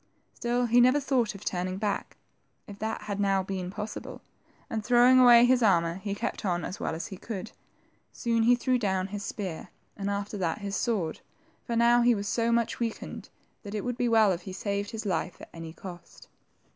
Still he never thought of turning back, if that had now been possible, and throwing away his armor, he kept on as well as he could. Soon he threw down his spear, 70 THE TWO PRINCES. and after that his sword, for now he was so much weakened that it would be well if he saved his life at any cost.